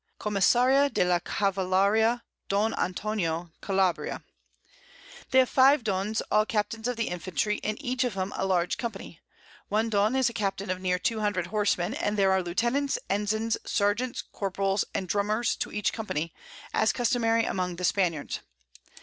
Commissaria de la Cavalaria, Don Antonio Calabria. They have 5 Dons all Captains of Infantry, and each of 'em a large Company: One Don is a Captain of near 200 Horsemen, and there are Lieutenants, Ensigns, Serjeants, Corporals and Drummers to each Company, as customary among the Spaniards.